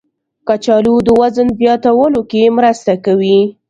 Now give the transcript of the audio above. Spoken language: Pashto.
کچالو د وزن زیاتولو کې مرسته کوي.